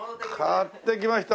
買ってきました